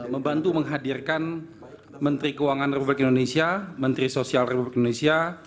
membantu menghadirkan menteri keuangan republik indonesia menteri sosial republik indonesia